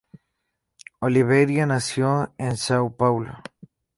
Oliveira nació en São Paulo.